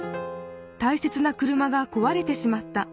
大切な車がこわれてしまった。